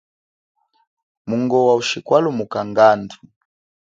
Mungowa ushikwalumuka ngandu.